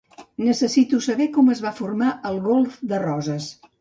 Necessito saber com es va formar el Golf de Roses.